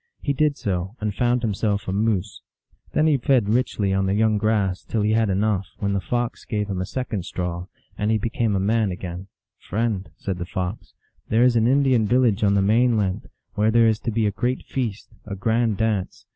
He did so, and found himself a moose (or a horse). Then he fed richly on the young grass till he had enough, when the Fox gave him a second straw, and he became a man ADVENTURES OF MASTER RABBIT. 231 again. " Friend," said the Fox, " there is an Indian village on the main land, where there is to be a great feast, a grand dance.